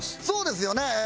そうですよね。